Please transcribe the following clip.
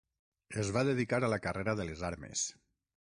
Es va dedicar a la carrera de les armes.